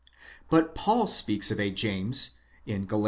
But Paul speaks of a James (Gal.